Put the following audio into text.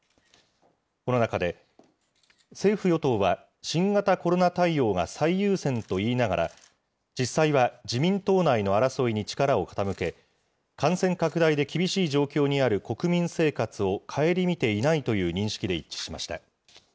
この中で、政府・与党は新型コロナ対応が最優先と言いながら、実際は自民党内の争いに力を傾け、感染拡大で厳しい状況にある国民生活を顧みていないという認識で一致しました。